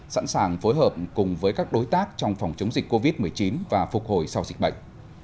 sẵn sàng phối hợp cùng với các đối tác trong phòng chống dịch covid một mươi chín và phục hồi sau dịch bệnh